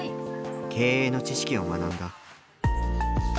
経営の知識を学んだ。